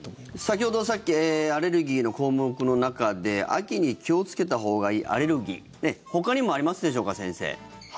先ほどアレルギーの項目の中で秋に気をつけたほうがいいアレルギーほかにもありますでしょうか先生。